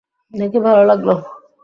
দেখে ভালো লাগল।